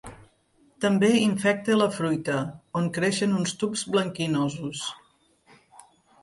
També infecta a la fruita, on creixen uns tubs blanquinosos.